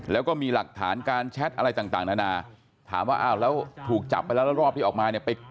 แล้วก็มีหลักฐานการแชทอะไรต่างนานาถามว่าอ้าวแล้วถูกจับไปแล้วแล้วรอบที่ออกมาเนี่ย